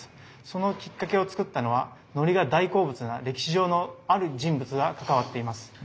そのきっかけを作ったのはのりが大好物な歴史上のある人物が関わっています。